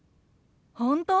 本当？